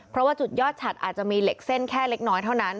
เพราะว่าจุดยอดฉัดอาจจะมีเหล็กเส้นแค่เล็กน้อยเท่านั้น